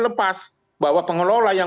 lepas bahwa pengelola yang